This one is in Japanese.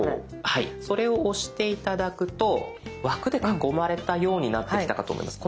はいそれを押して頂くと枠で囲まれたようになってきたかと思います。